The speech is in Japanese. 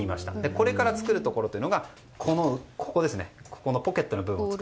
これから作るところがこのポケットの部分です。